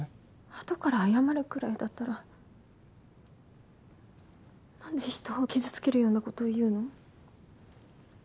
あとから謝るぐらいだったらなんで人を傷つけるようなこと言うの？